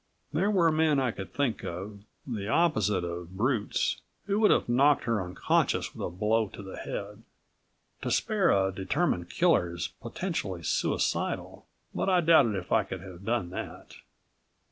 There were men I could think of, the opposite of brutes, who would have knocked her unconscious with a blow to the head. To spare a determined killer is potentially suicidal, but I doubted if I could have done that.